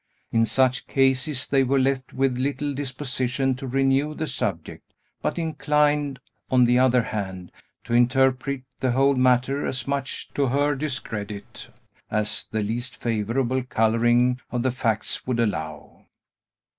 In such cases, they were left with little disposition to renew the subject, but inclined, on the other hand, to interpret the whole matter as much to her discredit as the least favorable coloring of the facts would allow.